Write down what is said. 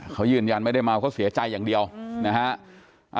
เขายืนยันไม่ได้เมาเขาเสียใจอย่างเดียวนะฮะ